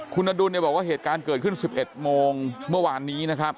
คุณอดุลบอกว่าเหตุการณ์เกิดขึ้น๑๑โมงเมื่อวานนี้นะครับ